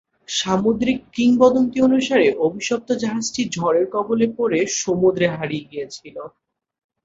সামুদ্রিক কিংবদন্তি অনুসারে, অভিশপ্ত জাহাজটি ঝড়ের কবলে পরে সমুদ্রে হারিয়ে গিয়েছিল।